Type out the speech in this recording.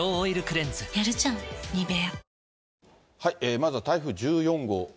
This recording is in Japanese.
まずは台風１４号。